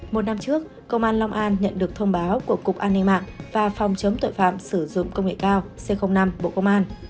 một năm trước công an long an nhận được thông báo của cục an ninh mạng và phòng chống tội phạm sử dụng công nghệ cao c năm bộ công an